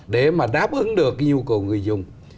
để mà đáp ứng được nhu cầu người dùng